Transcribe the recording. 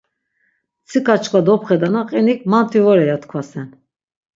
Mtsika şkva dopxedana, qinik "manti vore" ya tkvasen.